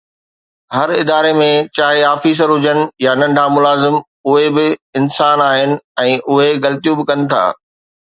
هر اداري ۾ چاهي آفيسر هجن يا ننڍا ملازم، اهي به انسان آهن ۽ اهي غلطيون به ڪن ٿا